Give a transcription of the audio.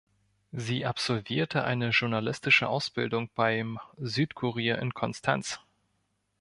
Sie absolvierte eine journalistische Ausbildung beim "Südkurier" in Konstanz.